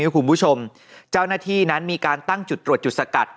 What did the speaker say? คุณผู้ชมเจ้าหน้าที่นั้นมีการตั้งจุดตรวจจุดสกัด